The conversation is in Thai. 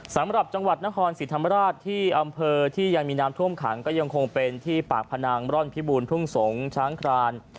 สำหรับจังหวัดรรดิสิรธรรมราชที่อำเภอมีน้ามท่วมขังยังคงเป็นที่ปากพนังร่อพิบูรพรุ่งสงส์ช้างคราน